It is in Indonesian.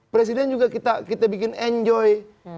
presiden juga kita bikin enjoy